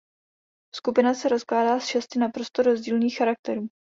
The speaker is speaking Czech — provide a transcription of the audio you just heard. Skupina se skládá z šesti naprosto rozdílných charakterů.